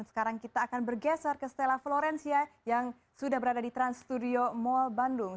sekarang kita akan bergeser ke stella florencia yang sudah berada di trans studio mall bandung